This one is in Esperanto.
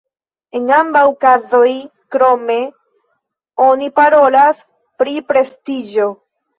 En ambaŭ kazoj, krome, oni parolas pri prestiĝo.